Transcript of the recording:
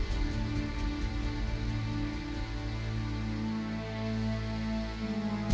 tanya teh diutus manggil gue emot